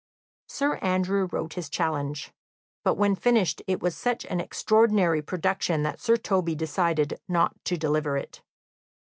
Sir Andrew wrote his challenge, but when finished it was such an extraordinary production that Sir Toby decided not to deliver it.